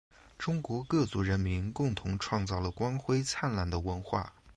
中国各族人民共同创造了光辉灿烂的文化